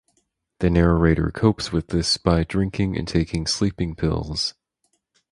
The narrator copes with this by drinking and taking sleeping pills.